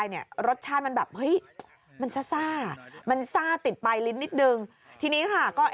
เห้ย์โอธมันซ่ามันซ่าติดไปลิ้นนิดนึงที่นี่ค่ะก็